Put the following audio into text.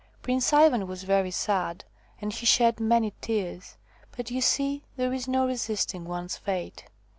Prince Ivan was very sad, and he shed many tears, but you see there is no resisting one's fate.